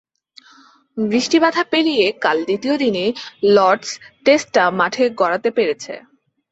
বৃষ্টি বাধা পেরিয়ে কাল দ্বিতীয় দিনে লর্ডস টেস্টটা মাঠে গড়াতে পেরেছে।